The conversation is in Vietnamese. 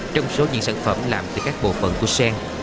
trong số những sản phẩm làm từ các bộ phận của sen